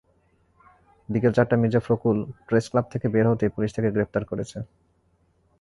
বিকেল চারটায় মির্জা ফখরুল প্রেসক্লাব থেকে বের হতেই পুলিশ তাঁকে গ্রেপ্তার করেছে।